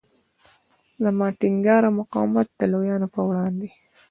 زما ټینګار او مقاومت د لویانو پر وړاندې.